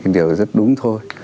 điều rất đúng thôi